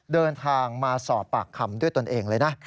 เดินทางมาสอบปากคำด้วยตนเองเลยนะ